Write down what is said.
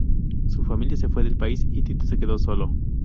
Su familia se fue del país y Tito se quedó solo.